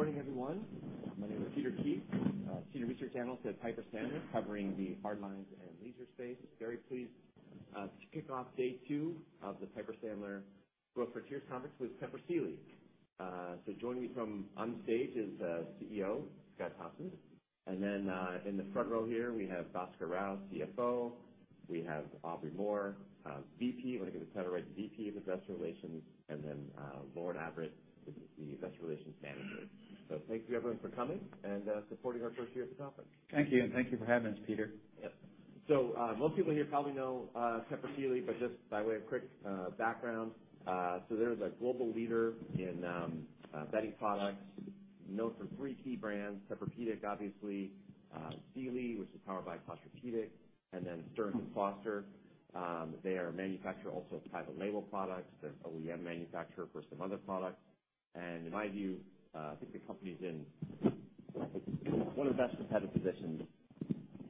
All right. Good morning, everyone. My name is Peter Keith, senior research analyst at Piper Sandler, covering the hard lines and leisure space. Very pleased to kick off day two of the Piper Sandler Growth Retreat Conference with Tempur Sealy. Joining me from on stage is CEO Scott Thompson. In the front row here, we have Bhaskar Rao, CFO. We have Aubrey Moore, VP, wanna get the title right, VP of Investor Relations, and Lauren Avritt, the Investor Relations Manager. Thank you everyone for coming and supporting our first year at the conference. Thank you, and thank you for having us, Peter. Yep. Most people here probably know Tempur Sealy, but just by way of quick background, they're a global leader in bedding products, known for three key brands, Tempur-Pedic, obviously, Sealy, which is powered by Posturepedic, and then Stearns & Foster. They are a manufacturer, also of private label products. They're an OEM manufacturer for some other products. In my view, I think the company's in one of the best competitive positions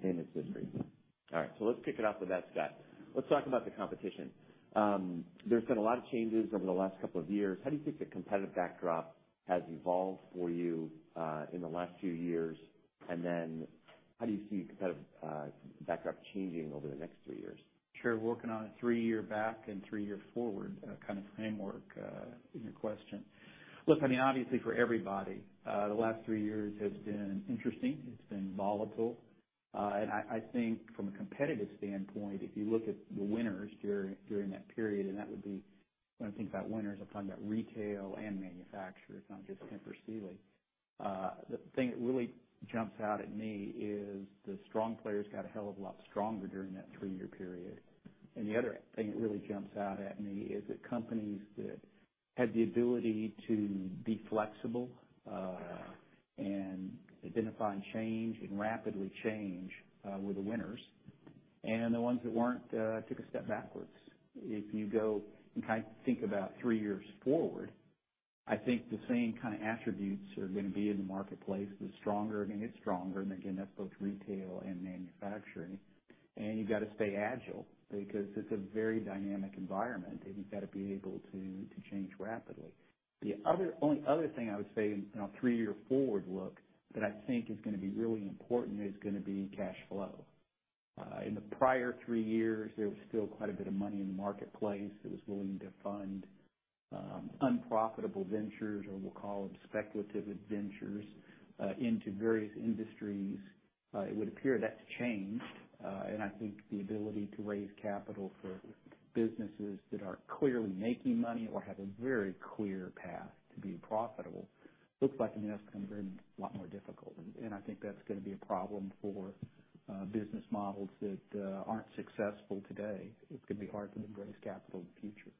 in its history. All right, let's kick it off with that, Scott. Let's talk about the competition. There's been a lot of changes over the last couple of years. How do you think the competitive backdrop has evolved for you in the last few years? How do you see the competitive backdrop changing over the next three years? Sure. Working on a three-year back and three-year forward, kind of framework, in your question. Look, I mean, obviously, for everybody, the last three years has been interesting. It's been volatile. I think from a competitive standpoint, if you look at the winners during that period, and that would be. When I think about winners, I'm talking about retail and manufacturers, not just Tempur Sealy. The thing that really jumps out at me is the strong players got a hell of a lot stronger during that three-year period. The other thing that really jumps out at me is that companies that had the ability to be flexible, and identify and change and rapidly change, were the winners. The ones that weren't took a step backwards. If you go and kind of think about three years forward, I think the same kinda attributes are gonna be in the marketplace. The stronger are gonna get stronger, and again, that's both retail and manufacturing. You gotta stay agile because it's a very dynamic environment, and you've gotta be able to change rapidly. The only other thing I would say in a three-year forward look that I think is gonna be really important is gonna be cash flow. In the prior three years, there was still quite a bit of money in the marketplace that was willing to fund unprofitable ventures, or we'll call them speculative ventures, into various industries. It would appear that's changed. I think the ability to raise capital for businesses that are clearly making money or have a very clear path to be profitable looks like, I mean, that's gonna be a lot more difficult. I think that's gonna be a problem for business models that aren't successful today. It's gonna be hard to raise capital in the future.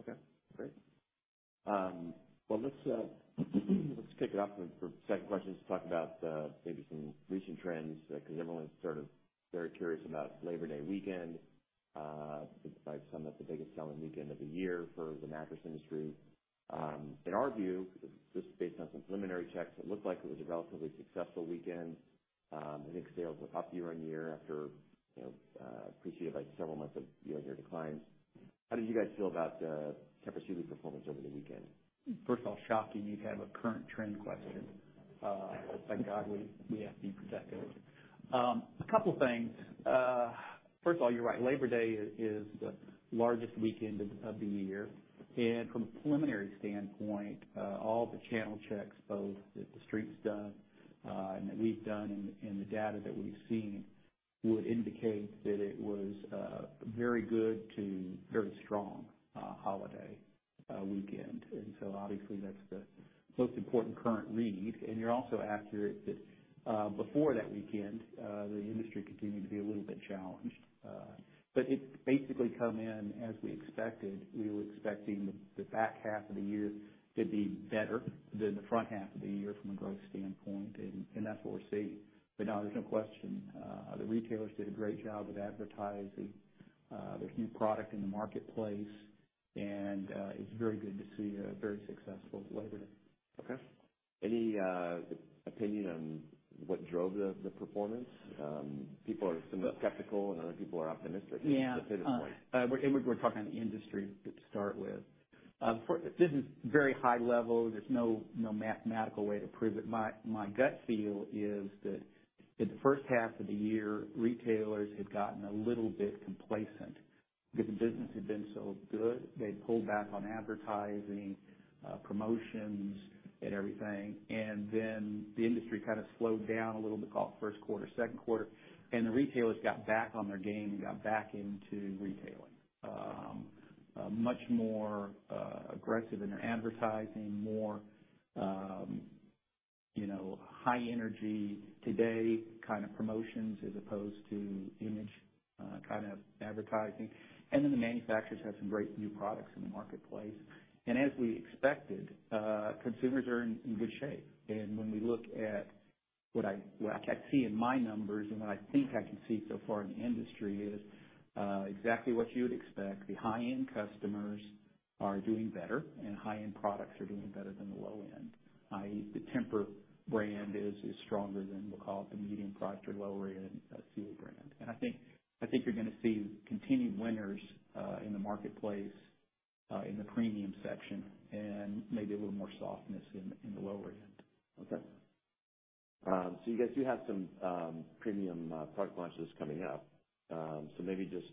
Okay, great. Well, let's kick it off with our second question. Let's talk about maybe some recent trends, 'cause everyone's sort of very curious about Labor Day weekend. By some, that's the biggest selling weekend of the year for the mattress industry. In our view, just based on some preliminary checks, it looked like it was a relatively successful weekend. I think sales were up year-on-year after, you know, a period, like several months of year-on-year declines. How did you guys feel about Tempur Sealy performance over the weekend? First of all, shocking you'd have a current trend question. Thank God we have deep executives. A couple things. First of all, you're right, Labor Day is the largest weekend of the year. From a preliminary standpoint, all the channel checks, both that the street's done, and that we've done and the data that we've seen would indicate that it was a very good to very strong holiday weekend. Obviously that's the most important current read. You're also accurate that, before that weekend, the industry continued to be a little bit challenged. It's basically come in as we expected. We were expecting the back half of the year to be better than the front half of the year from a growth standpoint, and that's what we're seeing. No, there's no question, the retailers did a great job with advertising their new product in the marketplace. It's very good to see a very successful Labor Day. Okay. Any opinion on what drove the performance? People are somewhat skeptical, and other people are optimistic. Yeah. at this point. We're talking about the industry to start with. This is very high level. There's no mathematical way to prove it. My gut feel is that in the first half of the year, retailers had gotten a little bit complacent because business had been so good. They'd pulled back on advertising, promotions and everything. Then the industry kind of slowed down a little bit in the first quarter, second quarter, and the retailers got back on their game and got back into retailing. Much more aggressive in their advertising, more, you know, high energy today kind of promotions as opposed to image kind of advertising. Then the manufacturers have some great new products in the marketplace. As we expected, consumers are in good shape. When we look at what I see in my numbers and what I think I can see so far in the industry is exactly what you would expect. The high-end customers are doing better, and high-end products are doing better than the low end—the Tempur brand is stronger than we'll call it the medium priced or lower end, Sealy brand. I think you're gonna see continued winners in the marketplace in the premium section, and maybe a little more softness in the lower end. Okay. You guys do have some premium product launches coming up. Maybe just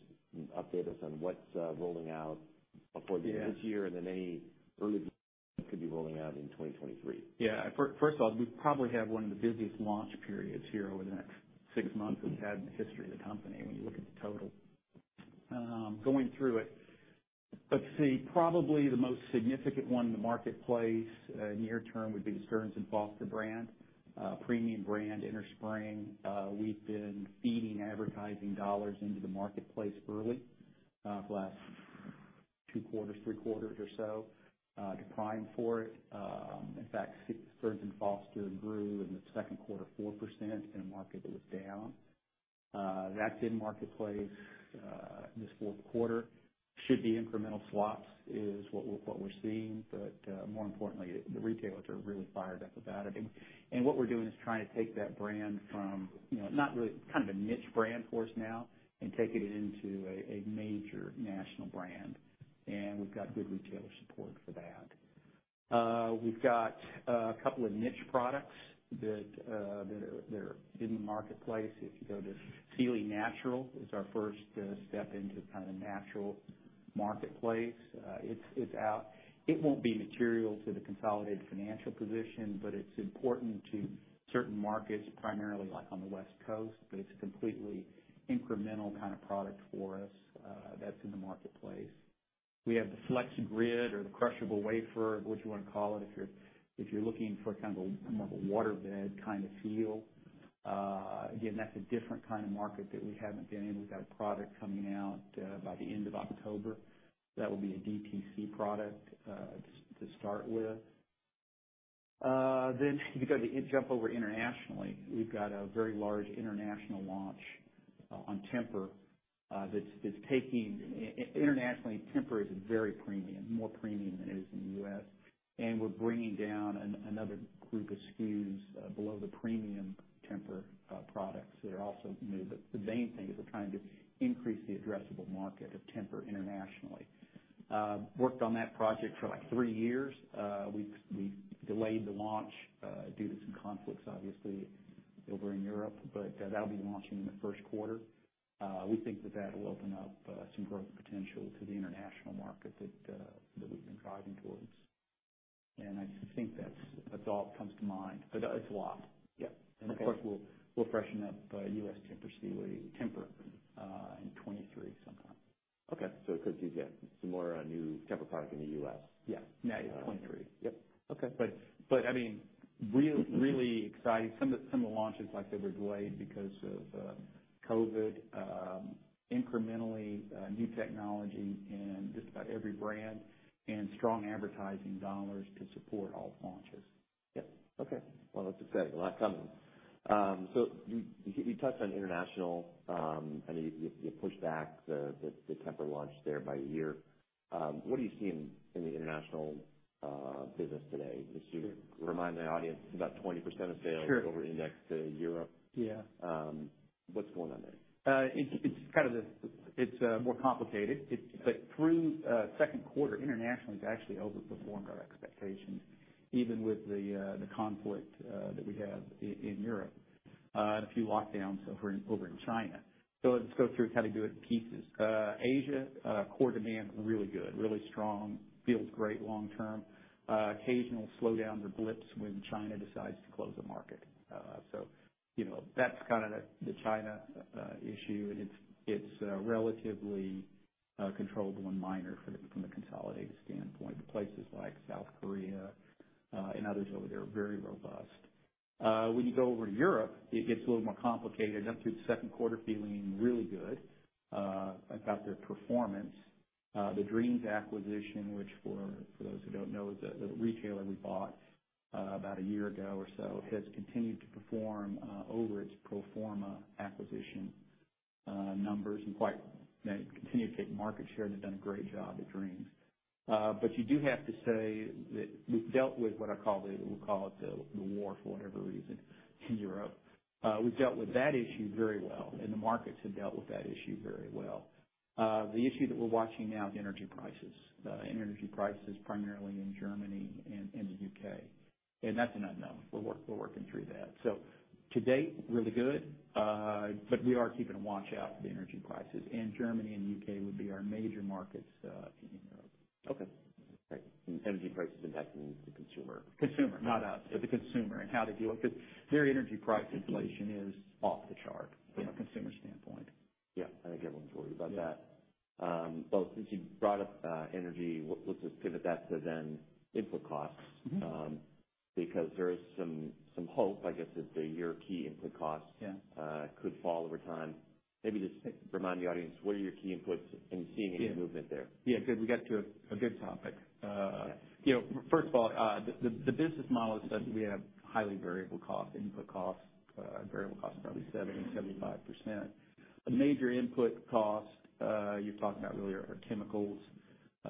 update us on what's rolling out before. Yeah The end of this year, and then any early that could be rolling out in 2023. First off, we probably have one of the busiest launch periods here over the next six months we've had in the history of the company when you look at the total. Going through it, let's see, probably the most significant one in the marketplace near term would be the Stearns & Foster brand, premium brand innerspring. We've been feeding advertising dollars into the marketplace early for the last two quarters, three quarters or so to prime for it. In fact, Stearns & Foster grew in the second quarter 4% in a market that was down. That's in marketplace this fourth quarter. Should be incremental swaps is what we're seeing, but more importantly, the retailers are really fired up about it. What we're doing is trying to take that brand from, you know, not really kind of a niche brand for us now and taking it into a major national brand. We've got good retailer support for that. We've got a couple of niche products that are in the marketplace. Sealy Naturals is our first step into kind of natural marketplace. It's out. It won't be material to the consolidated financial position, but it's important to certain markets, primarily like on the West Coast, but it's a completely incremental kind of product for us that's in the marketplace. We have the FlexGrid or the Crushable Wafer, whichever you wanna call it, if you're looking for kind of a more of a waterbed kind of feel. Again, that's a different kind of market that we haven't been in. We've got a product coming out by the end of October. That will be a DTC product to start with. If you go to jump over internationally, we've got a very large international launch on Tempur, that's taking. Internationally, Tempur is very premium, more premium than it is in the U.S., and we're bringing down another group of SKUs below the premium Tempur products. They're also new, but the main thing is we're trying to increase the addressable market of Tempur internationally. Worked on that project for like three years. We've delayed the launch due to some conflicts, obviously, over in Europe, but that'll be launching in the first quarter. We think that will open up some growth potential to the international market that we've been driving towards. I think that's all that comes to mind. It's a lot. Yeah. Okay. Of course, we'll freshen up U.S. Tempur Sealy, Tempur in 2023 sometime. Okay. Because you get some more new Tempur product in the U.S. Yeah, now in 2023. Yep. Okay. I mean, really exciting. Some of the launches, like I said, were delayed because of COVID. Incrementally, new technology in just about every brand and strong advertising dollars to support all the launches. Yeah. Okay. Well, that's exciting. A lot coming. You touched on international. I know you pushed back the Tempur launch there by a year. What are you seeing in the international business today? Just to remind the audience, about 20% of sales. Sure Over-indexed to Europe. Yeah. What's going on there? It's more complicated. Through second quarter, internationally it's actually overperformed our expectations, even with the conflict that we have in Europe, and a few lockdowns over in China. Let's go through kind of do it in pieces. Asia, core demand, really good, really strong, feels great long term. Occasional slowdown or blips when China decides to close the market. You know, that's kind of the China issue, and it's relatively controllable and minor from the consolidated standpoint. Places like South Korea and others over there are very robust. When you go over to Europe, it gets a little more complicated. Went through the second quarter feeling really good about their performance. The Dreams acquisition, which, for those who don't know, is the retailer we bought about a year ago or so, has continued to perform over its pro forma acquisition numbers, and quite. They continue to take market share. They've done a great job at Dreams. You do have to say that we've dealt with what I call the war for whatever reason in Europe. We've dealt with that issue very well, and the markets have dealt with that issue very well. The issue that we're watching now is energy prices, and energy prices primarily in Germany and the U.K., and that's an unknown. We're working through that. To date, really good, but we are keeping a watch out for the energy prices, and Germany and the U.K. would be our major markets in Europe. Okay. Great. Energy prices impacting the consumer. Consumer, not us. The consumer and how to deal with their energy price inflation is off the chart from a consumer standpoint. Yeah. Everyone's worried about that. Well, since you brought up energy, let's just pivot that to then input costs. Mm-hmm because there is some hope, I guess, that your key input costs Yeah Could fall over time. Maybe just remind the audience, what are your key inputs, and are you seeing any movement there? Yeah. Good, we got to a good topic. You know, first of all, the business model is such that we have highly variable costs, input costs, variable costs are probably 75%. The major input costs you talked about earlier are chemicals,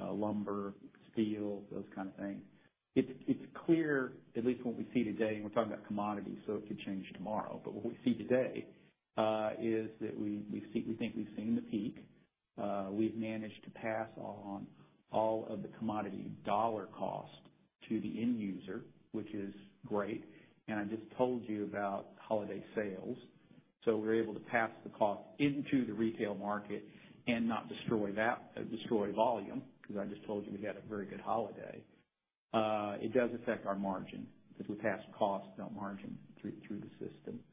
lumber, steel, those kind of things. It's clear, at least what we see today, and we're talking about commodities, so it could change tomorrow. But what we see today is that we think we've seen the peak. We've managed to pass on all of the commodity dollar cost to the end user, which is great. I just told you about holiday sales, so we're able to pass the cost into the retail market and not destroy volume, 'cause I just told you we had a very good holiday. It does affect our margin because we pass costs, not margin through the system.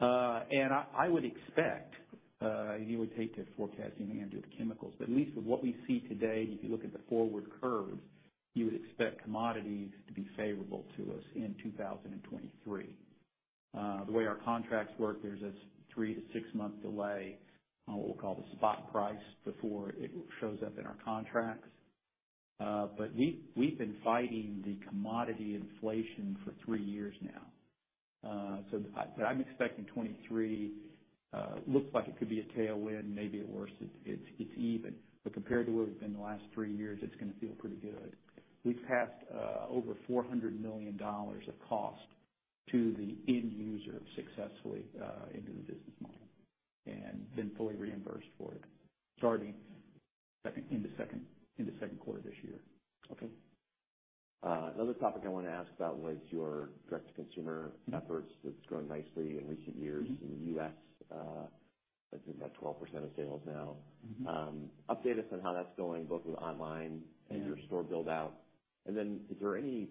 I would expect you would hate to forecast any of the chemicals, but at least with what we see today, if you look at the forward curves, you would expect commodities to be favorable to us in 2023. The way our contracts work, there's a three- to six-month delay on what we'll call the spot price before it shows up in our contracts. We've been fighting the commodity inflation for three years now. I'm expecting 2023 looks like it could be a tailwind, maybe at worst it's even. Compared to where we've been the last three years, it's gonna feel pretty good. We've passed on over $400 million of cost to the end user successfully into the business model and been fully reimbursed for it starting in the second quarter this year. Okay. Another topic I wanna ask about was your direct-to-consumer efforts. That's grown nicely in recent years. Mm-hmm. -in the U.S. I think about 12% of sales now. Mm-hmm. Update us on how that's going, both with online. Yeah. your store build out. Is there any,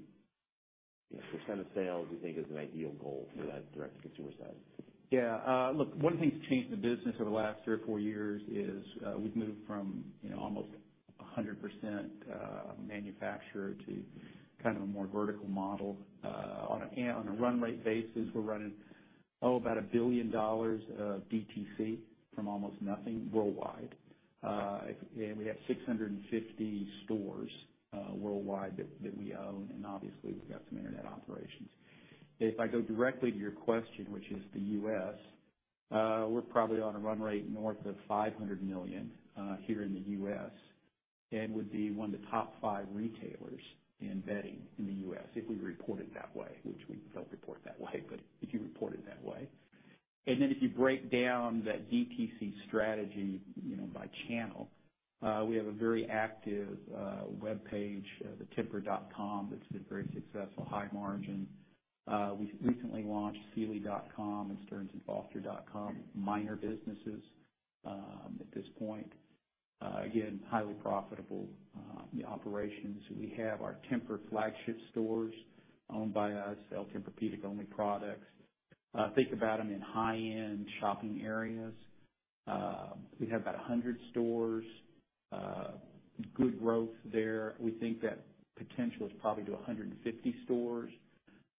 you know, % of sales you think is an ideal goal for that direct-to-consumer side? Yeah. Look, one of the things that's changed the business over the last 3 or 4 years is we've moved from, you know, almost 100% manufacturer to kind of a more vertical model. On a run rate basis, we're running about $1 billion of DTC from almost nothing worldwide. We have 650 stores worldwide that we own, and obviously we've got some internet operations. If I go directly to your question, which is the U.S., we're probably on a run rate north of $500 million here in the U.S., and would be one of the top five retailers in bedding in the U.S. if we reported that way, which we don't report that way, but if you report it that way. If you break down that DTC strategy, you know, by channel, we have a very active webpage, the tempur.com, that's been very successful, high margin. We recently launched sealy.com and stearnsandfoster.com, minor businesses, at this point. Again, highly profitable operations. We have our Tempur flagship stores owned by us, sell Tempur-Pedic only products. Think about them in high-end shopping areas. We have about 100 stores. Good growth there. We think that potential is probably to 150 stores,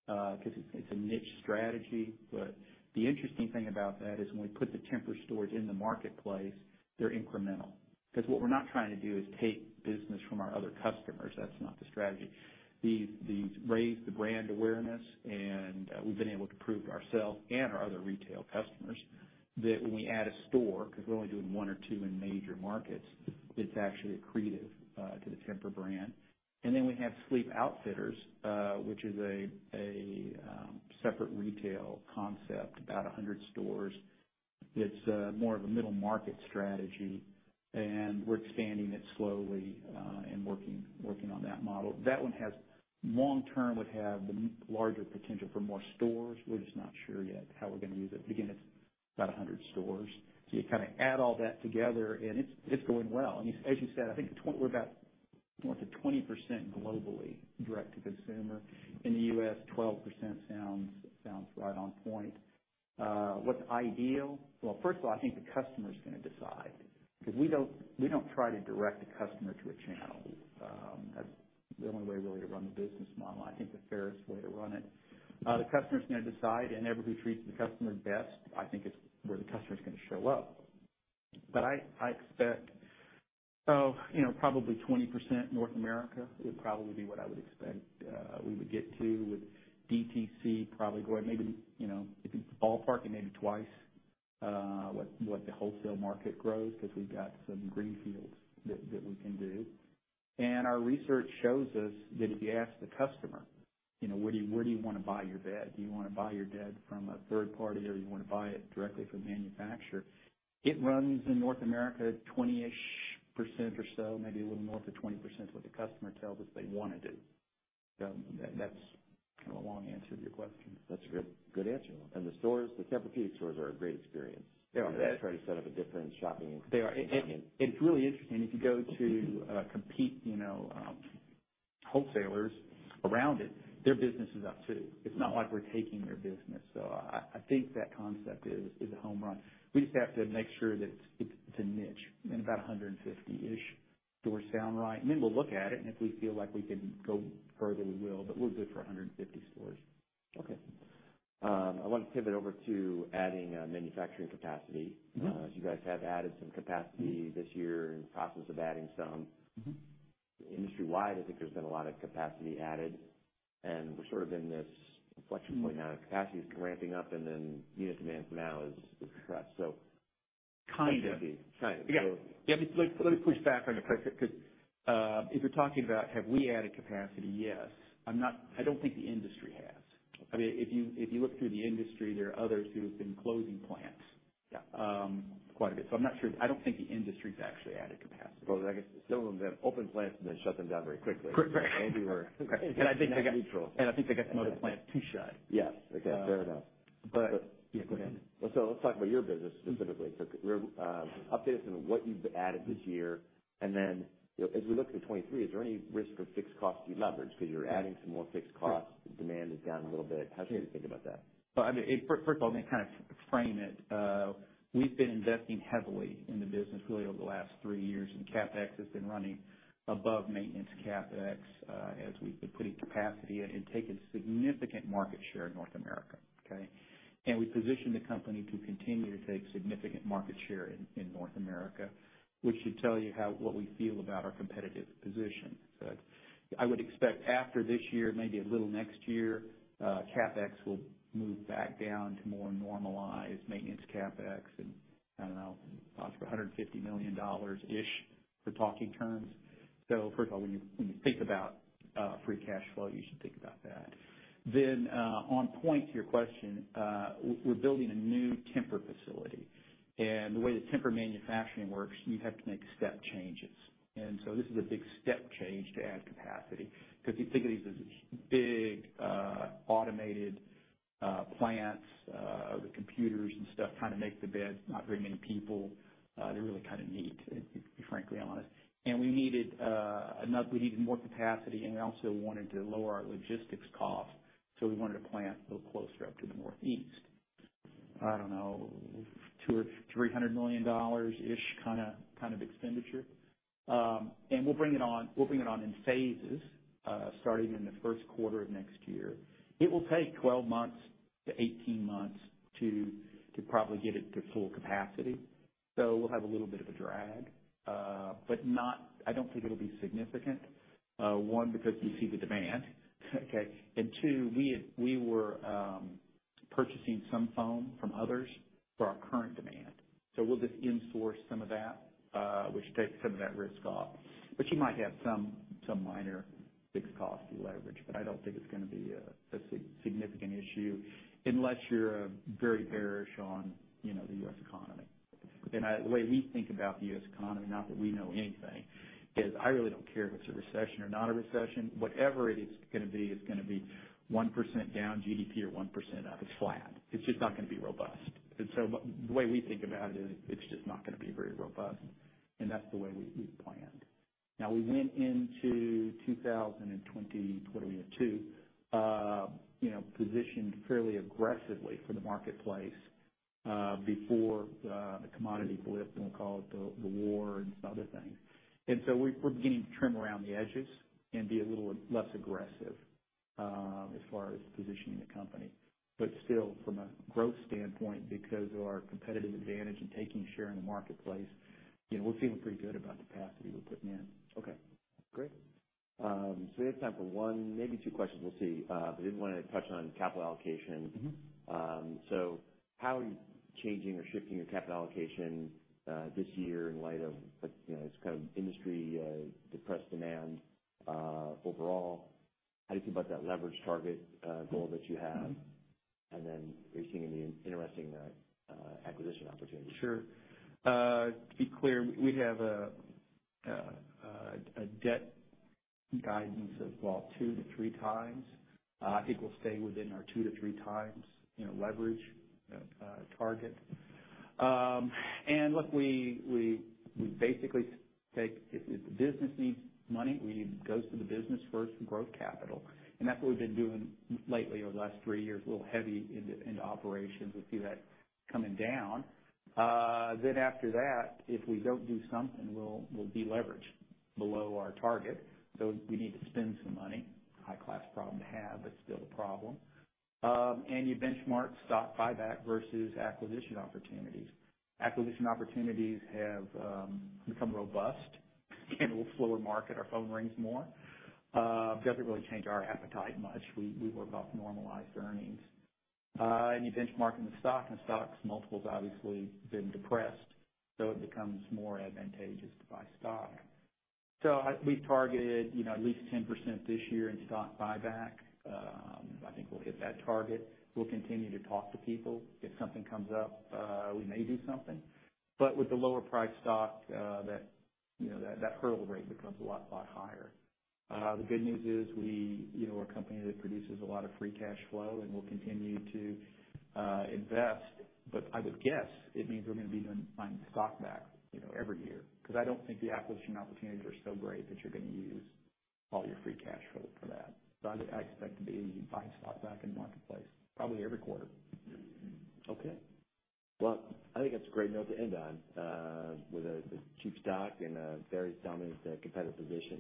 'cause it's a niche strategy. But the interesting thing about that is when we put the Tempur stores in the marketplace, they're incremental, 'cause what we're not trying to do is take business from our other customers. That's not the strategy. Raise the brand awareness, and we've been able to prove to ourselves and our other retail customers that when we add a store, 'cause we're only doing one or two in major markets, it's actually accretive to the Tempur brand. Then we have Sleep Outfitters, which is a separate retail concept, about 100 stores. It's more of a middle market strategy, and we're expanding it slowly, and working on that model. That one long term would have the much larger potential for more stores. We're just not sure yet how we're gonna use it. Again, it's about 100 stores. You kinda add all that together and it's going well. As you said, I think it's 20% globally, direct-to-consumer. In the U.S., 12% sounds right on point. What's ideal? Well, first of all, I think the customer's gonna decide 'cause we don't try to direct a customer to a channel. That's the only way really to run the business model. I think the fairest way to run it. The customer's gonna decide, and whoever treats the customer best, I think is where the customer's gonna show up. I expect, you know, probably 20% North America would probably be what I would expect, we would get to with DTC probably growing maybe, you know, if you ballpark it, maybe twice what the wholesale market grows 'cause we've got some greenfields that we can do. Our research shows us that if you ask the customer, you know, "Where do you wanna buy your bed? Do you wanna buy your bed from a third party, or do you wanna buy it directly from the manufacturer?" It runs in North America at 20%-ish or so, maybe a little more up to 20% is what the customer tells us they wanna do. That's kind of a long answer to your question. That's a good answer. The stores, the Tempur-Pedic stores are a great experience. They are. Try to set up a different shopping environment. They are. It's really interesting. If you go to competitors, you know, wholesalers around it, their business is up too. It's not like we're taking their business. I think that concept is a home run. We just have to make sure that it's a niche and about 150-ish stores sound right. We'll look at it, and if we feel like we can go further, we will. We're good for 150 stores. Okay. I wanna pivot over to adding manufacturing capacity. Mm-hmm. As you guys have added some capacity. Mm-hmm. This year, in the process of adding some. Mm-hmm. Industry-wide, I think there's been a lot of capacity added, and we're sort of in this inflection point now. Capacity is ramping up and then unit demand for now is depressed. Kinda. Yeah. Let me push back on it 'cause if you're talking about have we added capacity, yes. I don't think the industry has. I mean, if you look through the industry, there are others who have been closing plants. Yeah. Quite a bit. I'm not sure. I don't think the industry's actually added capacity. Well, I guess some of them have opened plants and then shut them down very quickly. Right. Maybe we're neutral. I think they got another plant to shut. Yes. Okay. Fair enough. Yeah, go ahead. Let's talk about your business specifically. Update us on what you've added this year, and then, you know, as we look to 2023, is there any risk of fixed-cost deleverage because you're adding some more fixed costs, demand is down a little bit. How should we think about that? I mean, First of all, let me kind of frame it. We've been investing heavily in the business really over the last three years, and CapEx has been running above maintenance CapEx, as we've been putting capacity and taking significant market share in North America. Okay? We positioned the company to continue to take significant market share in North America, which should tell you how we feel about our competitive position. I would expect after this year, maybe a little next year, CapEx will move back down to more normalized maintenance CapEx and, I don't know, possibly $150 million-ish for talking terms. First of all, when you think about free cash flow, you should think about that. On point to your question, we're building a new Tempur facility. The way that Tempur manufacturing works, you have to make step changes. This is a big step change to add capacity. 'Cause think of these as big, automated, plants, with computers and stuff, kind of make the bed. Not very many people. They're really kind of neat, to be frankly honest. We needed more capacity, and we also wanted to lower our logistics costs, so we wanted to plant a little closer up to the Northeast. I don't know, $200 million-$300 million kind of expenditure. We'll bring it on in phases, starting in the first quarter of next year. It will take 12 months to 18 months to probably get it to full capacity. We'll have a little bit of a drag, but not. I don't think it'll be significant, one, because we see the demand, okay? Two, we were purchasing some foam from others for our current demand. We'll just in-source some of that, which takes some of that risk off. You might have some minor fixed cost you leverage. I don't think it's gonna be a significant issue unless you're very bearish on, you know, the U.S. economy. The way we think about the U.S. economy, not that we know anything, is I really don't care if it's a recession or not a recession. Whatever it is gonna be is gonna be 1% down GDP or 1% up. It's flat. It's just not gonna be robust. The way we think about it is it's just not gonna be very robust, and that's the way we planned. Now, we went into 2022 positioned fairly aggressively for the marketplace before the commodity blip, and we'll call it the war and other things. We're beginning to trim around the edges and be a little less aggressive as far as positioning the company. Still, from a growth standpoint, because of our competitive advantage and taking share in the marketplace, you know, we're feeling pretty good about the capacity we're putting in. Okay, great. We have time for one, maybe two questions. We'll see. I did wanna touch on capital allocation. Mm-hmm. How are you changing or shifting your capital allocation this year in light of, you know, this kind of industry depressed demand overall? How do you feel about that leverage target, goal that you have? Mm-hmm. Are you seeing any interesting acquisition opportunities? Sure. To be clear, we have a debt guidance of about two to three times. I think we'll stay within our two to three times, you know, leverage target. Look, if the business needs money, it goes to the business first, growth capital, and that's what we've been doing lately over the last three years. A little heavy into operations. We see that coming down. After that, if we don't do something, we'll de-leverage below our target. We need to spend some money. High-class problem to have, but still a problem. You benchmark stock buyback versus acquisition opportunities. Acquisition opportunities have become robust. In a little slower market, our phone rings more. Doesn't really change our appetite much. We work off normalized earnings. You benchmark in the stock, and stock's multiple's obviously been depressed, so it becomes more advantageous to buy stock. We've targeted, you know, at least 10% this year in stock buyback. I think we'll hit that target. We'll continue to talk to people. If something comes up, we may do something. With the lower priced stock, that, you know, that hurdle rate becomes a lot higher. The good news is we, you know, are a company that produces a lot of free cash flow and will continue to invest. I would guess it means we're gonna be buying stock back, you know, every year, 'cause I don't think the acquisition opportunities are so great that you're gonna use all your free cash flow for that. I'd expect to be buying stock back in the marketplace probably every quarter. Okay. Well, I think that's a great note to end on, with a cheap stock and a very dominant competitive position.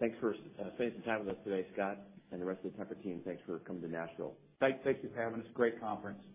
Thanks for spending some time with us today, Scott, and the rest of the Tempur team. Thanks for coming to Nashville. Thanks. Thank you for having us. Great conference.